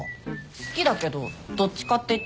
好きだけどどっちかっていったら魚派。